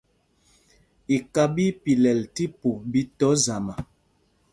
Iká ɓí í pilɛl tí pûp ɓi tɔ zama.